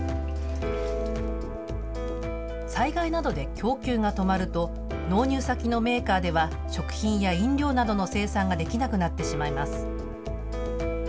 災害などで供給が止まると納入先のメーカーでは食品や飲料などの生産ができなくなってしまいます。